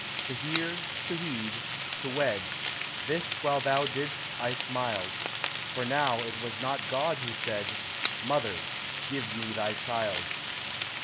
— To hear, to heed, to wed, This while thou didst I smiled, For now it was not God who said, " Mother, give me thy child."